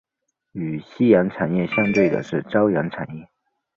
与夕阳产业相对的是朝阳产业。